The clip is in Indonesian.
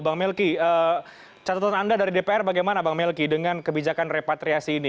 bang melki catatan anda dari dpr bagaimana bang melki dengan kebijakan repatriasi ini